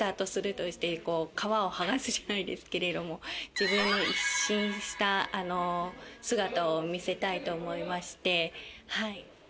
自分の一新した姿を見せたいと思いまして。